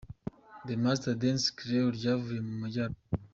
The Masters Dance Crew ryavuye mu Majyaruguru.